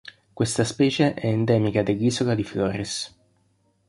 Questa specie è endemica dell'isola di Flores.